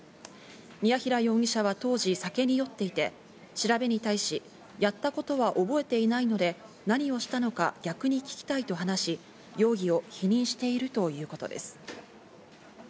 ミヤヒラ容疑者は当時、酒に酔っていて、調べに対し、やったことは覚えていないので何をしたのか逆に聞きたいと話し、容疑を否認しているということです。